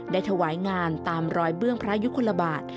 ถวายงานตามรอยเบื้องพระยุคลบาท